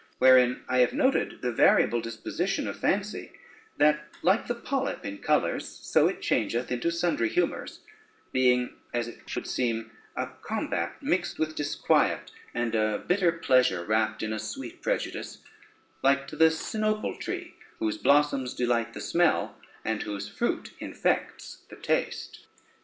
Wherein I have noted the variable disposition of fancy, that like the polype in colors, so it changeth into sundry humors, being, as it should seem, a combat mixed with disquiet and a bitter pleasure wrapped in a sweet prejudice, like to the Sinople tree, whose blossoms delight the smell, and whose fruit infects the taste."